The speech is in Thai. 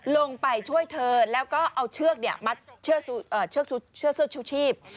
ลงไปช่วยเธอแล้วก็เอาเชือกมัดเชือกชูชีพ